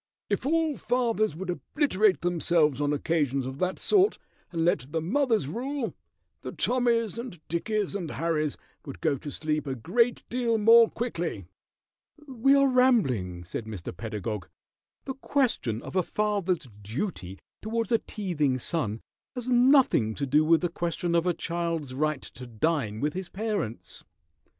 "If all fathers would obliterate themselves on occasions of that sort, and let the mothers rule, the Tommys and Dickies and Harrys would go to sleep a great deal more quickly." "We are rambling," said Mr. Pedagog. "The question of a father's duty towards a teething son has nothing to do with the question of a child's right to dine with his parents."